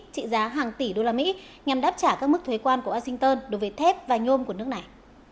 trị giá hàng tỷ usd nhằm đáp trả các mức thuế quan của washington đối với thép và nhôm của nước này